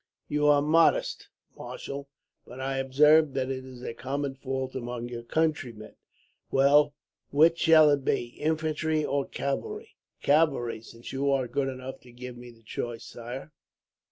"'You are modest, marshal; but I observe that it is a common fault among your countrymen. Well, which shall it be infantry or cavalry?' "'Cavalry, since you are good enough to give me the choice, sire.